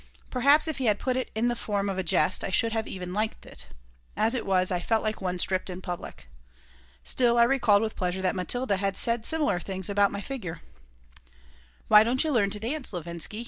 Perhaps, if he had put it in the form of a jest I should even have liked it. As it was, I felt like one stripped in public. Still, I recalled with pleasure that Matilda had said similar things about my figure "Why don't you learn to dance, Levinsky?"